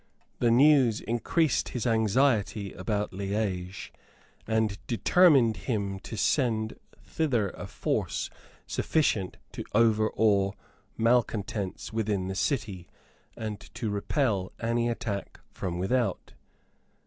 The news increased his anxiety about Liege, and determined him to send thither a force sufficient to overawe malecontents within the city, and to repel any attack from without.